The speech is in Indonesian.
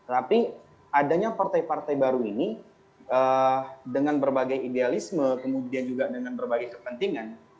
tapi adanya partai partai baru ini dengan berbagai idealisme kemudian juga dengan berbagai kepentingan